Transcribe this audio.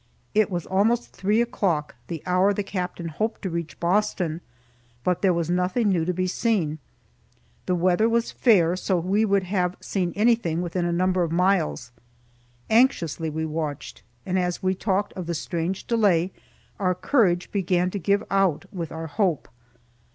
It was almost three o'clock, the hour the captain hoped to reach Boston, but there was nothing new to be seen. The weather was fair, so we would have seen anything within a number of miles. Anxiously we watched, and as we talked of the strange delay, our courage began to give out with our hope.